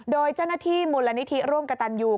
โดยเจ้าหน้าที่มูลนิธิร่วมกับตันยู